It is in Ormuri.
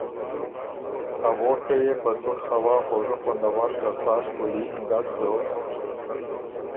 ا ووړکئ یې په څُټ خوا خوژُو خوندور زر سا ݭپُولینګ ګډ دوک